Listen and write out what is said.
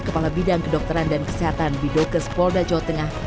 kepala bidang kedokteran dan kesehatan bidokes polda jawa tengah